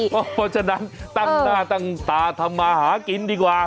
เพราะฉะนั้นตั้งหน้าตั้งตาทำมาหากินดีกว่า